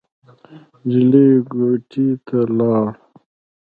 نجلۍ کوټې ته لاړ.